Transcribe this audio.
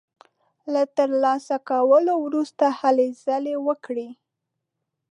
له تر لاسه کولو وروسته هلې ځلې وکړي.